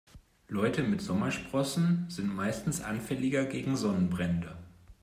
Leute mit Sommersprossen sind meistens anfälliger gegen Sonnenbrände.